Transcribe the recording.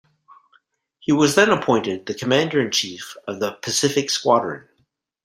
He was then appointed the Commander-in-Chief of the Pacific Squadron.